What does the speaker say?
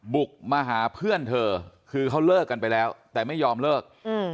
บุกมาหาเพื่อนเธอคือเขาเลิกกันไปแล้วแต่ไม่ยอมเลิก